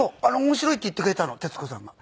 面白いって言ってくれたの徹子さんが。